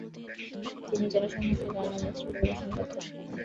তিনি জনসম্মুখে গান ও নৃত্য পরিবেশন করতেন।